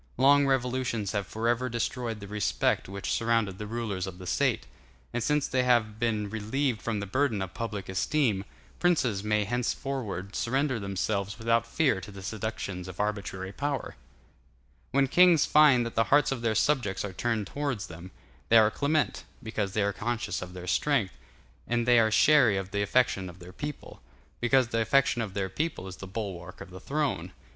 Long revolutions have forever destroyed the respect which surrounded the rulers of the State; and since they have been relieved from the burden of public esteem, princes may henceforward surrender themselves without fear to the seductions of arbitrary power. When kings find that the hearts of their subjects are turned towards them, they are clement, because they are conscious of their strength, and they are chary of the affection of their people, because the affection of their people is the bulwark of the throne.